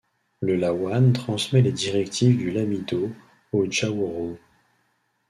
Le lawane transmet les directives du lamido aux djaworos.